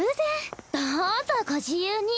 どうぞご自由に。